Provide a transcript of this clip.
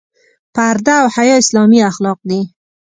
پرده او حیا اسلامي اخلاق دي.